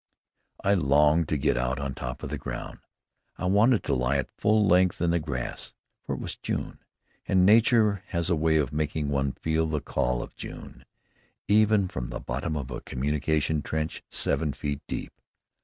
I longed to get out on top of the ground. I wanted to lie at full length in the grass; for it was June, and Nature has a way of making one feel the call of June, even from the bottom of a communication trench seven feet deep.